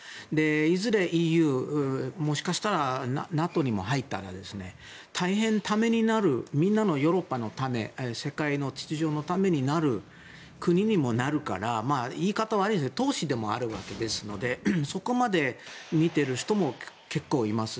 いずれＥＵもしかしたらＮＡＴＯにも入ったら大変ためになる、みんなのヨーロッパのため世界の秩序のためにもなる国にもなるから言い方は悪いけど投資でもあるわけですのでそこまでみている人も結構います。